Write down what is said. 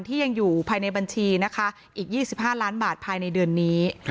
ที่ยังอยู่ภายในบัญชีนะคะอีก๒๕ล้านบาทภายในเดือนนี้